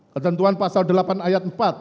ketentuan pasal delapan ayat empat